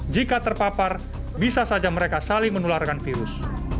jika terpapar bisa saja mereka saling menularkan virus